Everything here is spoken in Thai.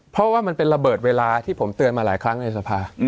เพราะว่ามันเป็นระเบิดเวลาที่ผมเตือนมาหลายครั้งในสภา